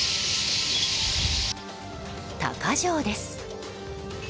鷹匠です。